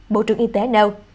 bộ trưởng y tế nêu